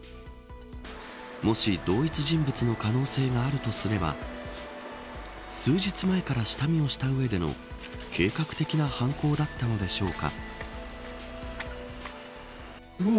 もし同一人物の可能性があるとすれば数日前から下見をした上での計画的な犯行だったのでしょうか。